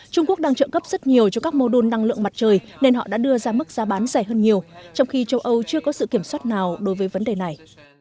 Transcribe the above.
trung quốc đang trợ cấp rất nhiều cho các mô đun năng lượng mặt trời nên họ đã đưa ra mức giá bán rẻ hơn nhiều trong khi châu âu chưa có sự kiểm soát nào đối với vấn đề này